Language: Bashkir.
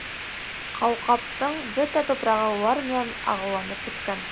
Ҡауҡабтың бөтә тупрағы улар менән ағыуланып бөткән.